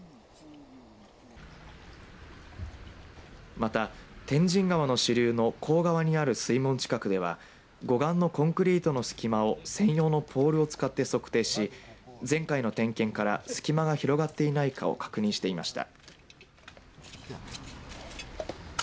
また天神川の支流の国府川にある水門近くでは護岸のコンクリートの隙間を専用のポールを使って測定し前回の点検から隙間が広がっていないかを確認していました。